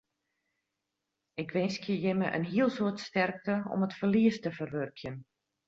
Ik winskje jimme in hiel soad sterkte om it ferlies te ferwurkjen.